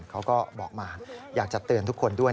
เขาก็บอกมาอยากจะเตือนทุกคนด้วย